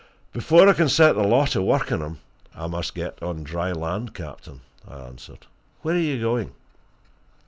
"Before I can set the law to work on him, I must get on dry land, captain," I answered. "Where are you going?"